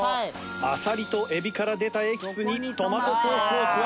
あさりとエビから出たエキスにトマトソースを加えます。